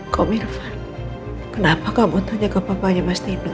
kok milvan kenapa kamu tanya ke papa yang masih hidup